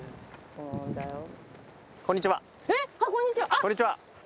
こんにちは。